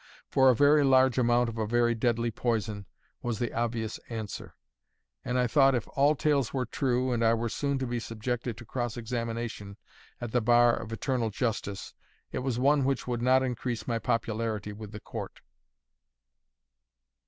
For a very large amount of a very deadly poison, was the obvious answer; and I thought if all tales were true, and I were soon to be subjected to cross examination at the bar of Eternal Justice, it was one which would not increase my popularity with the court.